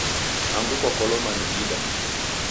Angu kwakolomwa ni ida?